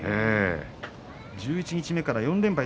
十一日目から４連敗。